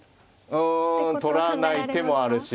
うん取らない手もあるし。